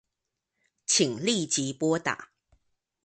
請立即撥打